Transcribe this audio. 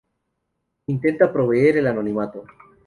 Intenta proveer el anonimato.